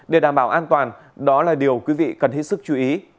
để đảm bảo an toàn đó là điều quý vị cần hết sức chú ý